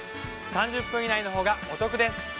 ３０分以内のほうがお得です。